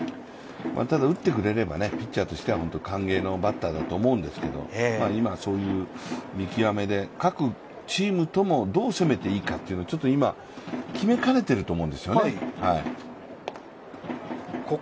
ただ打ってくれれば、ピッチャーとしては歓迎のバッターだと思うんですが、今は見極めで各チームとも、どう攻めていいかというのを今、決めかねていると思うんですよね。